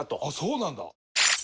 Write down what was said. あっそうなんだ。